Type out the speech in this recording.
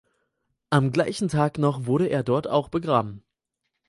Am gleichen Tag noch wurde er dort auch begraben.